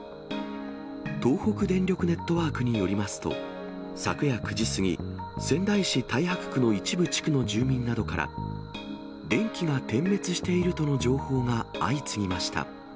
東北電力ネットワークによりますと、昨夜９時過ぎ、仙台市太白区の一部地区の住民などから、電気が点滅しているとの情報が相次ぎました。